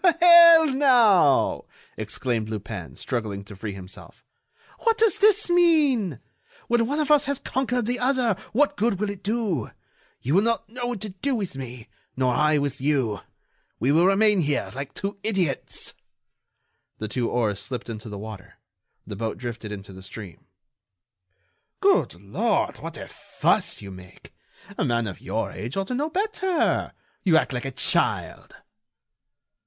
"Well, now!" exclaimed Lupin, struggling to free himself, "what does this mean? When one of us has conquered the other, what good will it do? You will not know what to do with me, nor I with you. We will remain here like two idiots." The two oars slipped into the water. The boat drifted into the stream. "Good Lord, what a fuss you make! A man of your age ought to know better! You act like a child."